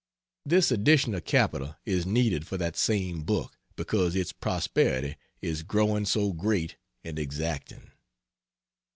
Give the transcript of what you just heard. This additional capital is needed for that same book, because its prosperity is growing so great and exacting.